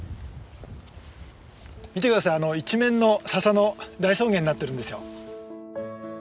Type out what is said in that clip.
見て下さい一面の笹の大草原になってるんですよ。